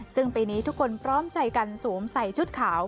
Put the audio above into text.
ซึ่งปีนี้ทุกคนพร้อมใจกันสวมใส่ชุดขาว